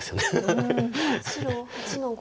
白８の五。